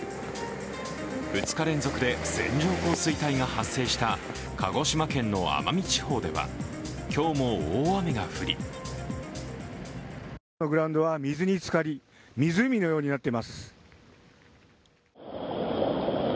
２日連続で線状降水帯が発生した鹿児島県の奄美地方では今日も大雨が降りグラウンドは水に浸かり湖のようになっています。